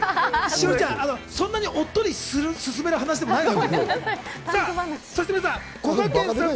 栞里ちゃん、そこまでおっとり進める話じゃないの。